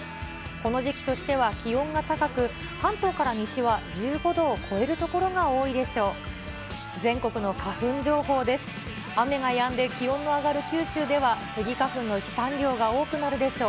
この時期としては気温が高く、関東から西は１５度を超える所が多いでしょう。